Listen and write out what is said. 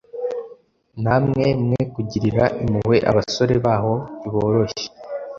namwe mwe kugirira impuhwe abasore baho ntiboroshye